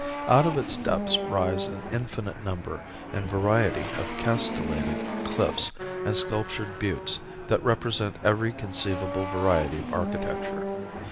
Out of its depths rise an infinite number and variety of castellated cliffs and sculptured buttes that represent every conceivable variety of architecture.